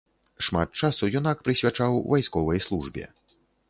Шмат часу юнак прысвячаў вайсковай службе.